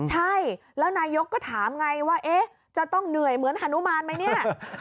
ใช่แล้วนายกก็ถามไงว่าจะต้องเหนื่อยเหมือนฮานุมานไหมเนี่ย